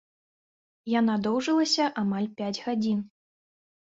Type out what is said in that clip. Яна доўжылася амаль пяць гадзін.